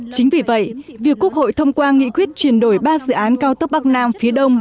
chính vì vậy việc quốc hội thông qua nghị quyết chuyển đổi ba dự án cao tốc bắc nam phía đông